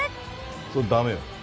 「それダメよ